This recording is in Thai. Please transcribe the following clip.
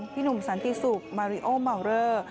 พี่หนุ่มสันติศุกร์มาริโอเมาเลอร์